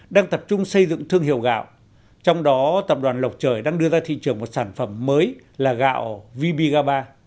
đang tập trung xây dựng thương hiệu gạo trong đó tập đoàn lộc trời đang đưa ra thị trường một sản phẩm mới là gạo vbga